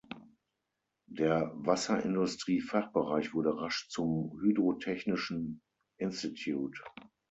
Der Wasserindustrie-Fachbereich wurde rasch zum hydrotechnischen Institute.